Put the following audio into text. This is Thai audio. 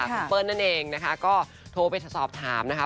คุณเปิ้ลนั่นเองนะคะก็โทรไปสอบถามนะคะ